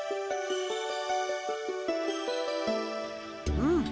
うん。